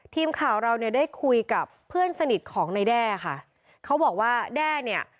ทีมข่าวเราเนี่ยได้คุยกับเพื่อนสนิทของนายแด้ค่ะเขาบอกว่าแด้เนี่ย